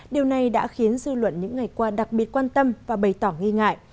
điều này đã khiến dư luận những ngày qua đặc biệt quan tâm và bày tỏ nghi ngại